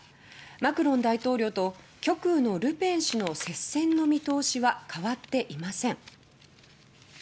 マクロン大統領と極右のルペン氏の接戦の見通しは変わっていません。